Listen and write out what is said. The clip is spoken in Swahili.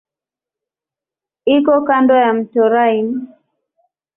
Iko kando ya mto Rhine.